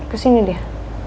ke sini dia